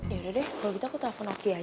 ya udah deh kalau gitu aku telepon oki aja